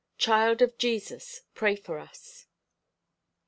Child of Jesus, pray for us."